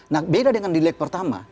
nah beda dengan di leg pertama